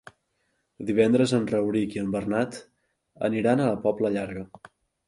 Divendres en Rauric i en Bernat aniran a la Pobla Llarga.